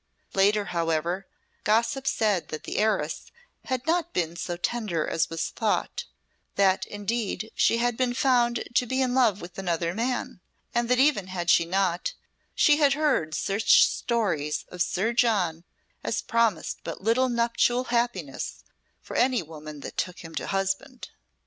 Later, however, gossip said that the heiress had not been so tender as was thought; that, indeed, she had been found to be in love with another man, and that even had she not, she had heard such stories of Sir John as promised but little nuptial happiness for any woman that took him to husband.